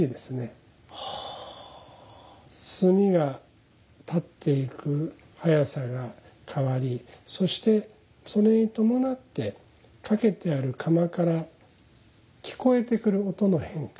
炭が立っていく速さが変わりそしてそれに伴ってかけてある釜から聞こえてくる音の変化。